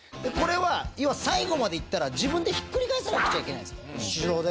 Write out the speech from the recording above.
これは最後までいったら自分でひっくり返さなくちゃいけないんですよ。